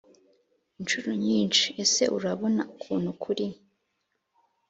incuro nyinshi Ese urabona ukuntu kuri